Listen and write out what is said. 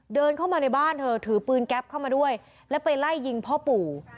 เดินเข้ามาในบ้านเธอถือปืนแก๊ปเข้ามาด้วยแล้วไปไล่ยิงพ่อปู่